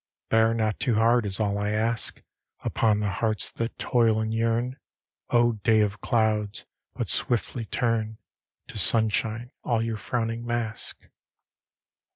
Bear not too hard, is all I ask, Upon the hearts that toil and yearn, O day of clouds! but swiftly turn To sunshine all your frowning mask.